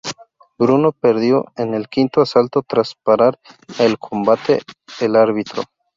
Bruno perdió en el quinto asalto tras parar el combate el árbitro.